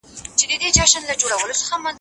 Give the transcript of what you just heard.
ما مخکي د سبا لپاره د يادښتونه بشپړي کړې!